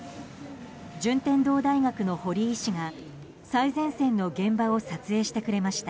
順天堂大学の堀医師が最前線の現場を撮影してくれました。